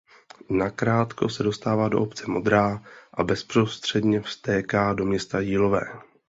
Na krátko se dostává do obce Modrá a bezprostředně vtéká do města Jílové.